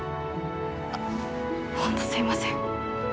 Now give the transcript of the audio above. あっ本当すいません。